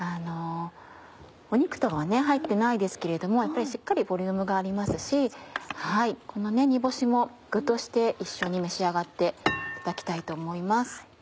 肉とかは入ってないですけれどもしっかりボリュームがありますしこの煮干しも具として一緒に召し上がっていただきたいと思います。